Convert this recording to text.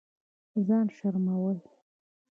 ځان شرمول